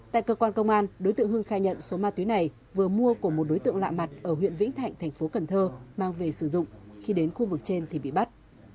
tại cơ quan công an đối tượng hưng khai nhận số ma túy này vừa mua của một đối tượng lạ mặt ở huyện vĩnh thạnh thành phố cần thơ mang về sử dụng khi đến khu vực trên thì bị bắt